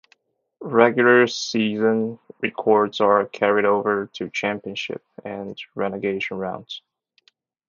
Regular season records are carried over to championship and relegation rounds.